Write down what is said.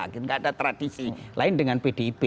tidak ada tradisi lain dengan pdip